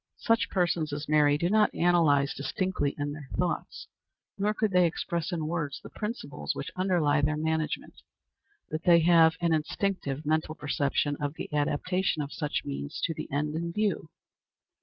Such persons as Mary do not analyze distinctly, in their thoughts, nor could they express in words, the principles which underlie their management; but they have an instinctive mental perception of the adaptation of such means to the end in view.